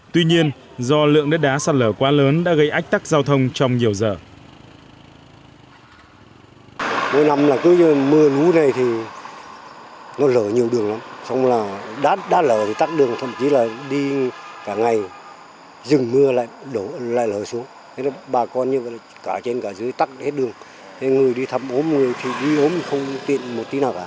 tuy nhiên do lượng đất đá sạt lở quá lớn đã gây ách tắc giao thông trong nhiều giờ